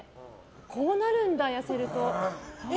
こうなるんだ、痩せると。